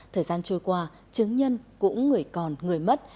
thời gian trôi qua chứng nhân cũng người còn người mất